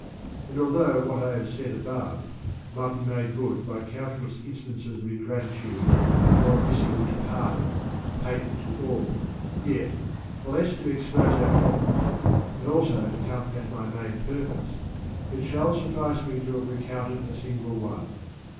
And although what I have said above might be made good by countless instances of ingrati tude or of dissolute pardon, patent to all, yet (the less to expose our faults, and also to come at my main purpose) it shall suffice me to have recounted a single one.